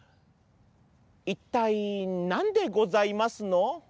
「いったいなんでございますの？」。